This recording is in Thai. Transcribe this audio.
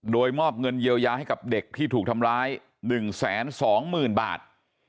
โดยมอบเงินเยียวยาให้กับเด็กที่ถูกทำร้าย๑๒๐๐๐บาท